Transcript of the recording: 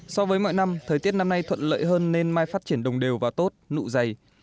so với mọi năm thời tiết năm nay thuận lợi hơn nên mai phát triển đồng đều và tốt nụ dày